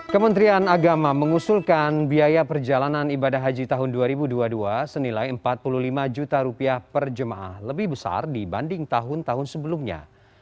kementerian agama mengusulkan biaya perjalanan ibadah haji tahun dua ribu dua puluh dua senilai rp empat puluh lima juta rupiah per jemaah lebih besar dibanding tahun tahun sebelumnya